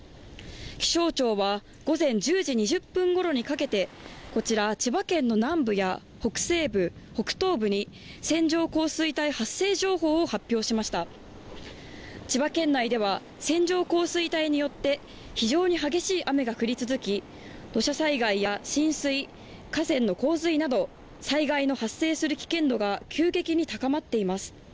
気象庁は午前１０時２０分ごろにかけてこちら千葉県の南部や北西部北東部に線状降水帯発生情報を発表しました千葉県内では線状降水帯によって非常に激しい雨が降り続き土砂災害や浸水河川の洪水など災害の発生する危険度が急激に高まっています